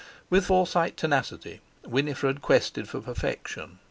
With Forsyte tenacity Winifred quested for perfection.